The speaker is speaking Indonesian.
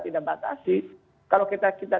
tidak batasi kalau kita